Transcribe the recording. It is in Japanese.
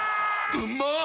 うまっ！